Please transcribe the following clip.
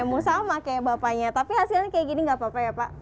kamu sama kayak bapaknya tapi hasilnya kayak gini gak apa apa ya pak